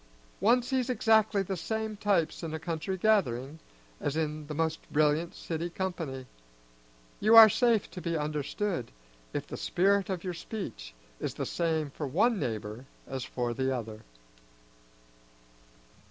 One sees exactly the same types in a country gathering as in the most brilliant city company. You are safe to be understood if the spirit of your speech is the same for one neighbor as for the other.